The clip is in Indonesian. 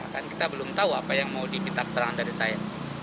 kan kita belum tahu apa yang mau diminta keterangan dari saya